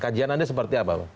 kajian anda seperti apa pak